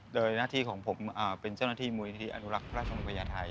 โดยหน้าที่ของผมเป็นเจ้าหน้าที่มูลนิธิอนุรักษ์พระราชมพญาไทย